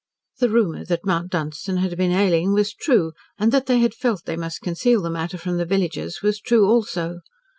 The rumour that Mount Dunstan had been ailing was true, and that they had felt they must conceal the matter from the villagers was true also.